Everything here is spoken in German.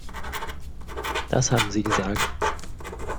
Das haben sie gesagt.